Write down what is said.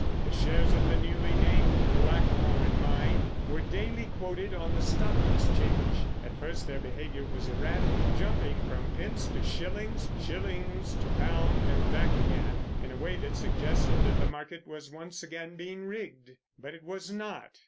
The shares of the newly named "Blackthorn" Mine were daily quoted on the Stock Exchange. At first their behaviour was erratic, jumping from pence to shillings, shillings to pounds, and back again in a way that suggested that the market was once again being rigged. But it was not.